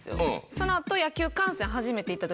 その後。